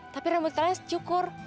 tapi rambut kalian cukur